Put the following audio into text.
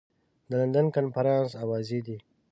د لندن کنفرانس اوازې دي.